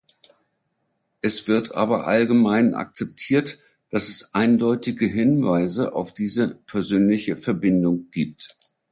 Es wird aber allgemein akzeptiert, dass es eindeutige Hinweise auf diese persönliche Verbindung gibt.